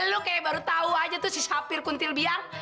lu kayak baru tahu aja tuh si sapir kuntil biang